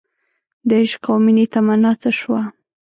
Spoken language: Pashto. دعشق او مینې تمنا څه شوه